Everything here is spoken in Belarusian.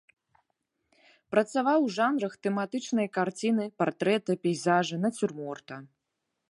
Працаваў у жанрах тэматычнай карціны, партрэта, пейзажа, нацюрморта.